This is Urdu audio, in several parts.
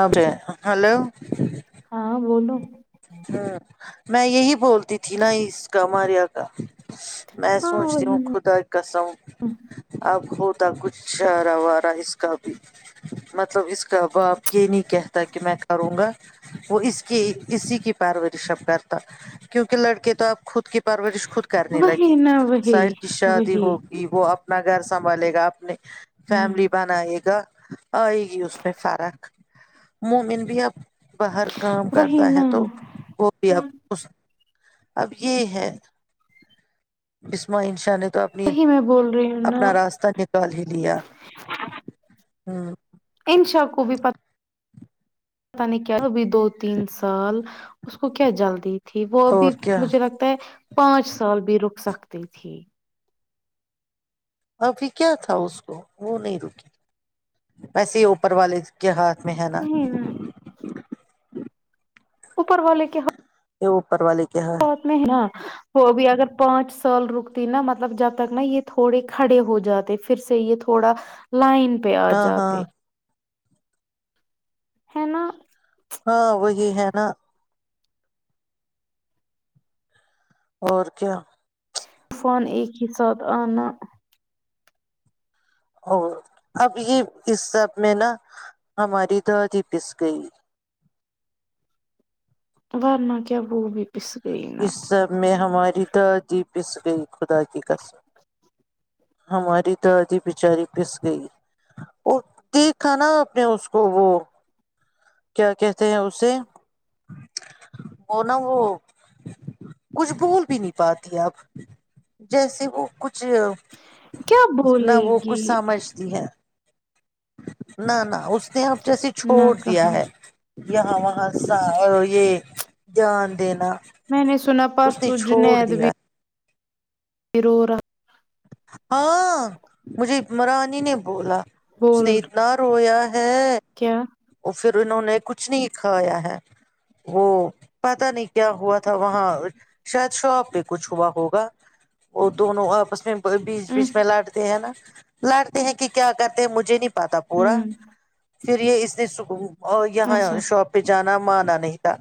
اب ہلو ہاں بولو ہاں میں یہی بولتی تھی نا اس کا ماریا کا میں ہاں سوچتی وہی ہوں نا خدا قسم اب ہوت کچھ ہارا وارا اس کا بھی مطلب اس کا باپ یہ نہیں کہتا کہ میں کروں گا وہ اس کی اسی کی پارورشب کرتا کیونکہ لڑکے تو آپ خود خود کی پرورش خود کرنے لگی وہی نا وہی ساحر کی شادی وہی ہوگی وہ ا اپنا گھر سنبھالے گا اپنے ہوں فیملی بنے گا آئے گی اس میں فرق مومن بھی اب باہر کام وہی کرتا نا ہے تو اب اب یہ ہے بسما انشا نے اپنی وہی میں بول رہی ہوں نا اپنا راستہ نکال ہی لیا ہاں شاہ کو بھی پت پتا نہیں کیا دو تین سال اس کو کیا جلدی تھی وہ اور ابھی کیا مجھے لگتا ہے پانچ سال بھی رک سکتی تھی ابھی کیا تھا اس کو وہ نہیں رکی ویسے ہی اوپر والے کے ہاتھ [unintelligible] وہی نا اوپر والے کے ہات یہ اوپر والے کے ہاتھ بہت میں ن [unintelligible] وہ ابھی اگر پانچ سال رکتی نا مطلب جب تک نا یہ تھوڑے کھڑے ہو جاتے پھر سے یہ تھوڑا لائن پے ہاں آجات ہاں ہے نا [unintelligible] ہاں وہی ہے نا اور کیا [unintelligible] طوفان ایک ہی ساتھ آنا اور اب یہ اس سب میں نا ہماری دادی پس گئی ورنا کیا وہ بی پس [unintelligible] اس سب میں ہماری دادی [unintelligible] پس گیی خدا کی کسم ہماری دادی بچاری پس گئی اور دیکھا نا آپ نے اس کو وہ کیا کہتے ہیں اسے وہ نا وہ کچھ بھول بھی نہیں پاتی اب جیسے وہ کچھ کیا کچھ نہ بولے وہ کچھ گی سمجھتی ہے [unintelligible] نہ نہ اس نے آپ [unintelligible] ج نہ چھوڑ [inaudible] دیا کہاں ہے [inaudible] یہاں وہاں س یہ جان دینا [unintelligible] میں نے سنا اس نے پرسو چھوڑ جنید بھی دیا [unintelligible] بی رو رہا [inaudible] ہاں مجھے عمرانی نے بولا [unintelligible] اس بول نے اتنا رویا [unintelligible] کیا [inaudible] اور پھر انہوں نے کچھ نہیں کھایا ہے وہ پتا نہیں کیا ہوا تھا وہاں شاید شاپ پہ کچھ ہوا ہوگا وہ دونوں ا [unintelligible] اسنے [inaudible] بیچ ہوں بیچ میں لٹتے ہیں نا [unintelligible] لڑتے ہیں کہ کیا کرتے ہیں مجھے نہیں [unintelligible] پتاہ پورا ہوں [inaudible] پھر یہ اسنے د سک [unintelligible] اور یہاں اچھا شاپ پہ جانا [unintelligible] مانا نہیں تھا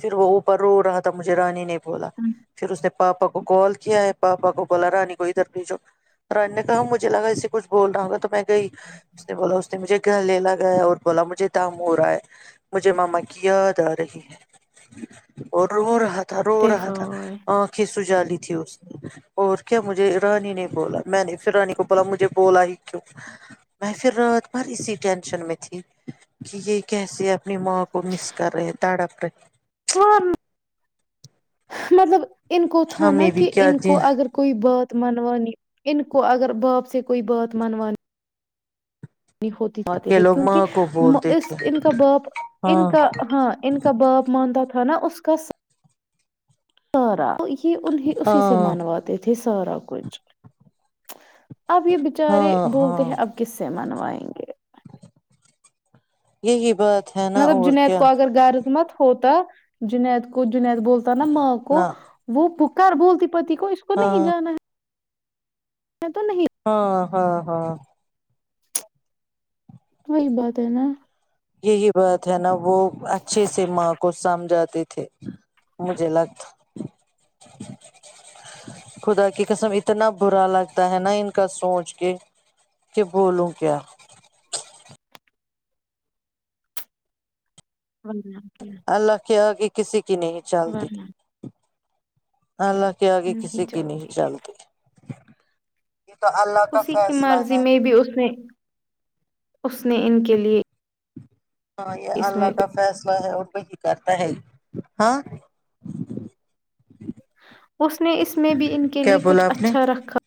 پھر وہ اوپر رو رہا تھا مجھے رانی نے [unintelligible] وہا پھر اس نے [unintelligible] پاپا کو کال کیا ہے پاپا کو بلا رانی [unintelligible] کو ادھر بیجو رانی نے کہا مجھے لگا اسے کھ بول رہا ہوگا تو میں [unintelligible] گئی اس نے بولا اس نے مجھے [unintelligible] گ لے لگیا اور بولا مجھے دام ہو رہا ہے مجھے ماما کی یاد آ رہی ہے اور رو رہا [inaudible] تھا رو رہا تھا ا کس [inaudible] سجالی تھی اس اور کیا مجھے [inaudible] ج رہنی نہیں بولت [inaudible] میں نے پھر رانی کو بلا مجھے بول آئی [inaudible] میں پھر رات بھر اسی ٹینشن میں تھی کہ یہ کیسے اپنی ماں کو مس کر رہے تڑپ رہے [unintelligible] ہاں مطلب [inaudible] ان کو تھا نا ہمیں بھی کہ کیا ان دن کو اگر کوئی بات [inaudible] منوانی ان کو اگر باپ سے کوئی بات منوانی [inaudible] ہوتی جاتی یہ تھی لوگ کیونکہ ماں کو بولتے اس تھے ان کا باپ ان ہاں کا ہاں ان کا باپ مانتا [inaudible] تھا نا اس کا [inaudible] سارا [inaudible] یہ انیں اسی سے ہاں منواتے تھے [inaudible] سارا کچھ اب یہ بچارے ہاں بولتے ہاں ہیں اب کس سے منوائائےیں یہی بات ہے نا مطلب اور جنید کیا کووغگر غض مت ہوتا جنید کو جد بولتا نا ماں کو نہ وہ بک کرھر بولتی پتی کو اس کو نہیں ہاں جانا ہے میں تو نہیں [inaudible] ہاں ہاں ہاں وہی بات ہے نا یہی بات ہے نا وہ اچھے سے ماں کو سمجھاتے تھے مجھے لگتا خدا کی قسم اتنا برا لگتا ہے نا ان کا سوچ کے کہ بولوں کیا ورنہ کیا اللہ کیا آ کہے کسی کی نہیں چلتی ورنہ کیا اللہ کہ آگے کسی کی نہیں چلتی یہ تو اللہ کا اسی کی فیصلہ مرضی ہے میں بھی اس نے اس نے ان کے لیے ہاں یہ اس اللہ میں کا فیصلہ ہے اور کرتا ہے ہاں اس نے اس میں بھی ان کے کیا لیے کچھ بولا آپ نے اچھا رکھا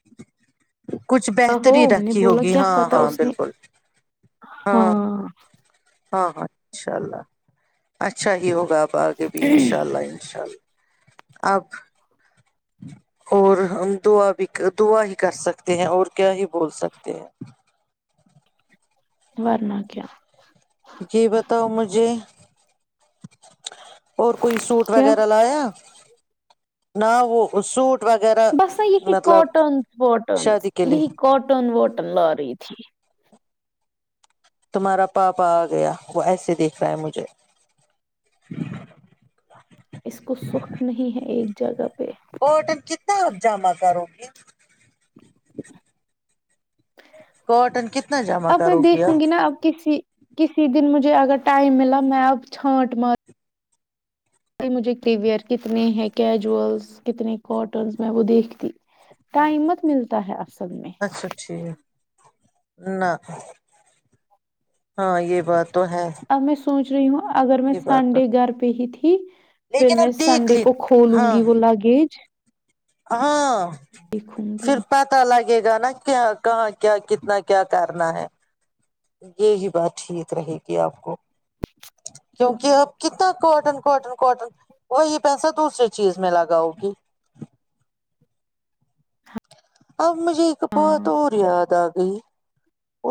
کچھ ہو بہتری میں نے رکھی بولا ہوگی کیا ہاں پتا ہاں اس نے بالکل ہاں ہاں ہاں اشاء اللہ اچھا ہی ہوگا آپ ب آگے بھی ان شاء اللہ ان شاء اللہ اب اور ہم دعا بھی دعا ہی کر سکتے ہیں اور کیا ہی بول سکتے ہیں ورنہ کیا جی بتاؤ مجھے اور کوئی سوٹ کیا وغیرہ لایا نا وہ سوٹ وغیرہ بس ن یہ مطلب کاٹنز واٹنز شادی کے لیے یہ کاٹن واٹن لار رہی تھی تمہارا پاپا آ گیا وہ ایسے دیکھ رہا ہے مجھے اس کو سخ نہیں ہے ایک جگہ پہ کاٹن کتنا اب جمع کرو گی کاٹن کتنا جمع اب میں کرو گیا دیکھوں گی نا اب کسی کسی دن مجھے اگر ٹائم ملا میں اب چھانٹ مار مجھے کلیئر کتنے ہیں کیجولس کتنے کاٹنس میں وہ دیکھتی ٹائمت ملتا ہے اصل میں اچھا ٹھیک ہے نہ ہاں یہ بات تو ہے اب میں سوچ رہی ہوں اگر میں یہ بات تو سنڈے گھر پہ ہی تھی [inaudible] ہے پھر لیکن اب میں دیکھ سنڈے لی کو کھولوں ہاں گی وہ لاگیج ہاں دیکھوں [inaudible] گی شرپا تو الگ لے گا نا کیا کہاں کیا کتنا کیا کرنا ہے یہی بات ٹھیک رہے گی آپ کو کیونکہ آپ کتنا کاٹن کاٹن کاٹن وہی پیسہ دوسری چیز میں لگاؤ گی اب مجھے ایک بہت ہاں اور یاد آ گئی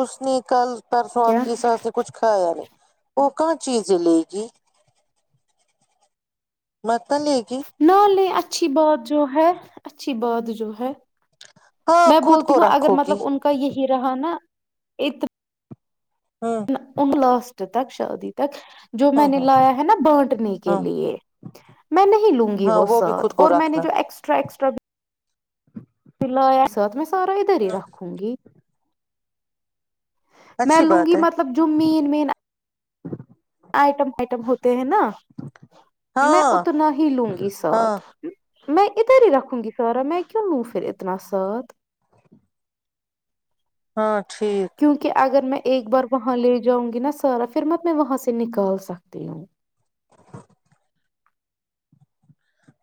اس نے کل پرسوں آپ کیا کی سانس نے کچھ کھایا نہیں وہ ک چیز لے گی م نہ لے اچھی بات جو ہے اچھی بات جو ہے ہاں میں خود بولتی کو ہوں اگر رکھو گی مطلب ان کا یہی ہی رہا نا اتنا ہوں انگ لاسٹ تک شعودی تک جو میں ہاں نے ہاں لایا ہے نا بانٹنے کے ہاں لیے میں نہیں لوں گی ہاں وہ بھی خود ساتھ کو اور میں نے رکھنا جو ایکسٹرا ایکسٹ تب پ لیا ساتھ میں سارا ادھر ہی رکھوں گی میں اچھی لوں بات گی ہے مطلب جو مین مین آئٹم آئٹم ہو ہیں نا میں ہاں اتنا ہی لوں گی ہاں ساتھ میں ادھر ہی رکھوں گی سارا میں کیوں لوں پھر اتنا ساتھ ہاں ٹھیک کیونکہ اگر میں ایک بار وہاں لے جاؤں گی نا سارا پھر مت میں وہاں سے نکال سکتی ہوں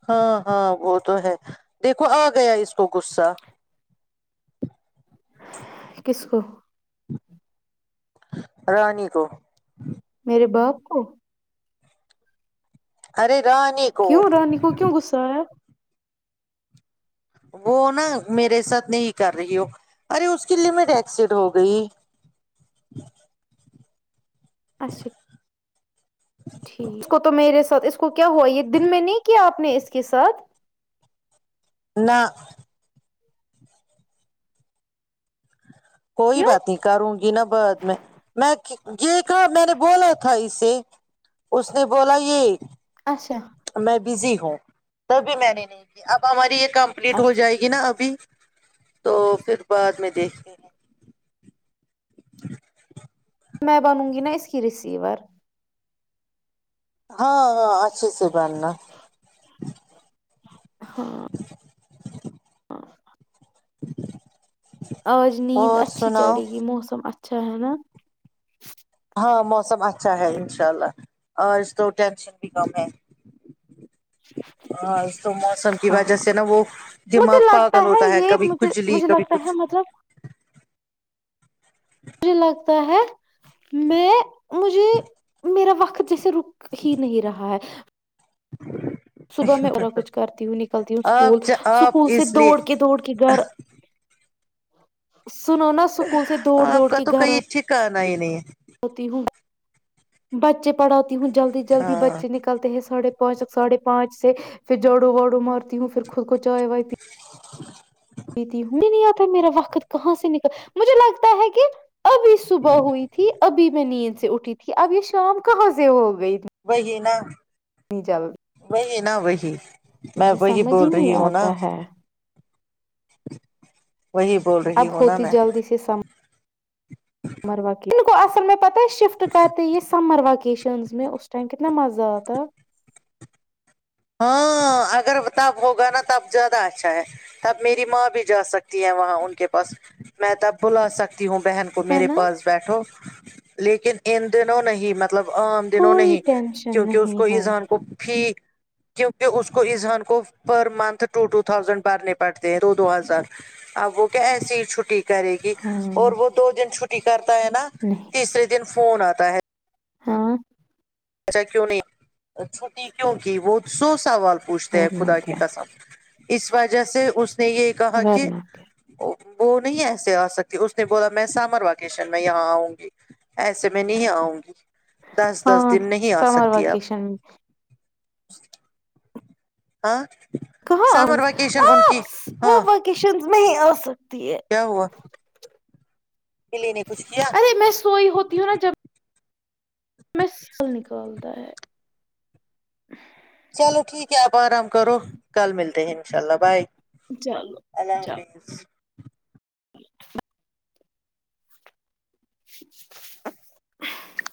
ہاں ہاں وہ تو ہے دیکھو آ گیا اس کو غصہ کس کو رانی کو میرے باپ کو ارے رانی کو کیوں رانی کو کیوں گغصہ ہے وہ نا میرے ساتھ نہیں کر رہی ہو ارے اس کی لمٹ ایکسیڈ ہو گئی [inaudible] ٹھیک اس کو تو میرے اس کیا ہوا یہ دن میں نہیں کہ آپ اپ نے اس کے ساتھ نہ کوئی کیوں بات نہیں کروں گی نا بد میں میں یہ کہا میں نے بولا تھا اس سے اس نے بولا یہ اچھا میں بزی ہ ت بھی میں نے نہیں اب ہماری یہ کمپلیٹ ہو اچھا جائے گی نا ٹھیک ابھی تو پھر بعد میں دیکھ کے [inaudible] میں بنوں گی نا اس کی ریسیور ہاں ہاں اچھے سے بہننا [inaudible] ڑفقکوو آج نیند اور اچھی سناؤ چڑے گی موسم اا اچھا ہے نا ہاں موسم اچھا ہے ان شاء اللہ اور اس تو ٹینشن بھی کم ہے ہاں تو موسم کی وجہ ہاں سے نا وہ مجھے دماغ لگتا پاگل ہوتا ہے یہ کبھی مجھے کجلی مجھے کبھی لگتا کچھ ہے مطلب س ہے میں مجھے میرا وقت جسے رک ہی نہیں رہا ہے صبح میں اورا کچھ کرتی ہوں نکلتی ہوں اسکول آپ آپ اسکول سے اس لیے دوڑ کے دوڑ کے گھر ف [unintelligible] سنو نا اسکول سے دوڑ دوڑ کے گھر آ نہیں نہیں ہے بچے پڑھا ہوں جلدی جلدی ہاں بچے نکلتے ہیں ساڑے پانچ تک ساھے پانچ سے پھر جاڑو واڑو مارتی ہوں پھر خود کو کچائے وتی تی میں نہیں آتا میرا وقت کہاں سے نکل مجھے لگتا ہے کہں ابھی صبح ہوئی تھی ابھی میں نید اٹھی تھی اب یہ شام کہاں سے ہوگ وہگینا ہ نہیں جل نہا ہو وہ ہی میں وہی بول ہی نہیں رہی ہوں نا آتا ہے [inaudible] اب رہی ہوں نا ہوتی میں جلدی سے سم آسم میں پتا شفٹ کرتے یہ سمر وقتہ وکیشن میں اس ٹائم کتنا مزہ آتا ہاں اگر تب ہوگا نا تب زیادہ اچھا ہے تب میری ماں بھی جا سکتی ہے وہاں ان کے پاس میں تب بلا سک تی ہوں بہن کو ہے میرے نا پاس بیٹھو لیکن ان دنوں نہیں مطب مطلب عام دنوں کوئی نہیں ٹینشن کیونکہ اس نہیں کو ہے ایذان کو بھی کیونکہ اس کو اذہان کو per month two two thousand بھرنے پڑتے ہیں دو دو ہزار اب وہ کیا ایسی ہی چھٹی کرے گی ہاں اور وہ دو دن چھٹی کر [unintelligible] ہے نا نہیں تیسرے دن فون آتا ہے ہاں اچھا کیوں نہیں چھٹی کیوں کی وہ سو سوال پوچھتے ہیں ورنہ خدا کی کیا قسم اس وجہ سے اس اسیکا کہ ورنہ کیا [unintelligible] وہ نہیں ایسے آ سکتی اس نے بولا میں سمر ویکیشن میں یہاں آؤں گی ایسے میں نہیں آؤں گی دس دس ہاں دن نہیں آ سمر سکتی اب وکیشن [inaudible] ہ کہاں وہ ہاں وکیشن میں ہیی سک کیا ہوا بلی نے کچھ کیا ارے میں سوئی ہوتی ہوں نا جب مسل نکالتا ہے چلو ٹھیک ہے آپ آرام کرو کل ملتے ہیں ان شاء اللہ بھائے چلو اللہ چلو حافظ [unintelligible] [inaudible]